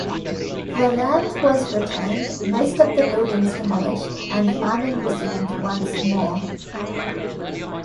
The land was returned, most of the buildings demolished and farming resumed once more.